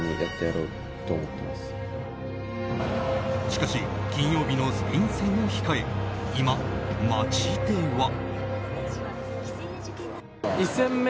しかし金曜日のスペイン戦を控え今、街では。